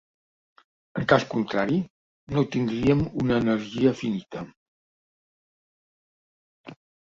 En cas contrari, no tindríem una energia finita.